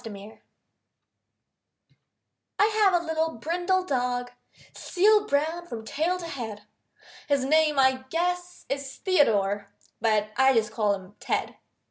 TED I have a little brindle dog, Seal brown from tail to head. His name I guess is Theodore, But I just call him Ted.